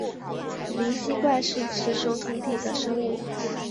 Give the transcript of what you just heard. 灵吸怪是雌雄同体的生物。